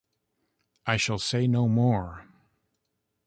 I shall say no more.